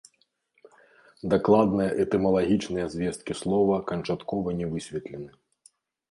Дакладныя этымалагічныя звесткі слова канчаткова не высветлены.